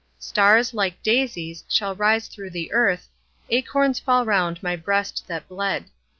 Stars, like daisies, shall rise through the earth, Acorns fall round my breast that bled.